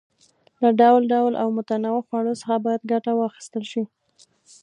له ډول ډول او متنوعو خوړو څخه باید ګټه واخیستل شي.